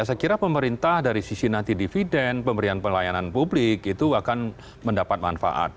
saya kira pemerintah dari sisi nanti dividen pemberian pelayanan publik itu akan mendapat manfaat